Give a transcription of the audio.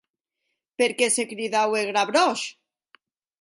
Per qué se cridaue Gravroche?